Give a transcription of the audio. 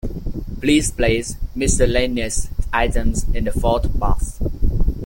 Please place miscellaneous items in the fourth box.